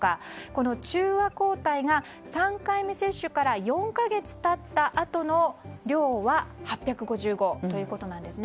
この中和抗体が３回目接種から４か月経ったあとの量は８５５ということなんです。